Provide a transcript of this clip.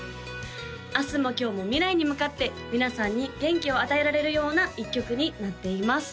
明日も今日も未来に向かって皆さんに元気を与えられるような一曲になっています